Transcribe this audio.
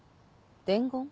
伝言？